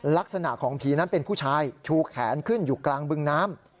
ลักษณะของผีนั้นเป็นผู้ชายชูแขนขึ้นอยู่กลางบึงน้ำ